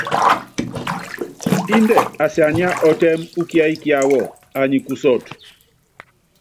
Índɛ asianyíá ɔtɛ́m ukiɛ́yi kiáwɔ, anyi kusɔt.